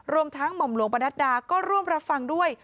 รวมทั้งหม่อมหลวงประนัดดาก็ร่วมรับฟังด้วย